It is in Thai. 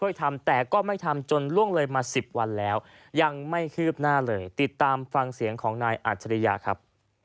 ทำแต่ก็ไม่ทำจนล่วงเลยมา๑๐วันแล้วยังไม่คืบหน้าเลยติดตามฟังเสียงของนายอัจฉริยาครับ